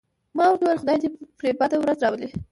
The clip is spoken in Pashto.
ما ورته وویل: خدای دې پرې بده ورځ راولي.